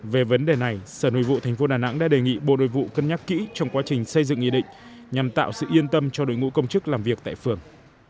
về vấn đề này sở nội vụ tp đà nẵng đã đề nghị bộ nội vụ cân nhắc kỹ trong quá trình xây dựng nghị định nhằm tạo sự yên tâm cho đội ngũ công chức làm việc tại phường